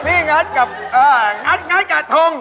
จริงพี่งัดกับงัดกับทง